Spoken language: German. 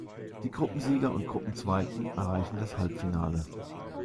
Die Gruppensieger und Gruppenzweiten erreichen das Halbfinale.